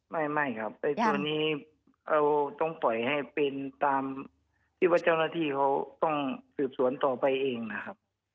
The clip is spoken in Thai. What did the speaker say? ไม่ครับตัวนี้เราต้องปล่อยให้เป็นตามที่ว่าเจ้าหน้าที่เขาต้องสืบสวนต่อไปเองนะครับ